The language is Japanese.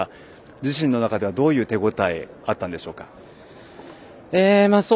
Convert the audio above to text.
自身の中では、どういう手応えあったんでしょうか。